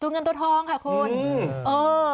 ตัวเงินตัวทองค่ะคนอือ